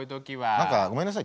何かごめんなさい。